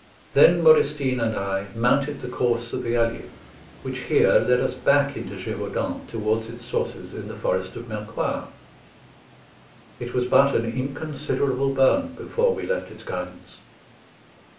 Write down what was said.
Then Modestine and I mounted the course of the Allier, which here led us back into Gévaudan towards its sources in the forest of Mercoire. It was but an inconsiderable burn before we left its guidance.